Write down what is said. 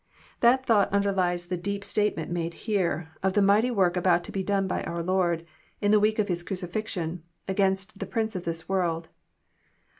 That thought underlies the deep statement here made of the mighty work about to be done by oar Lord, in the week of His crucifixion, against the prince of this world.